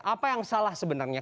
apa yang salah sebenarnya